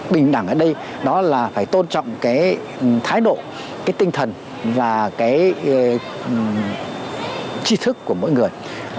bình đẳng ở đây đó là phải tôn trọng cái thái độ cái tinh thần và cái chi thức của mỗi người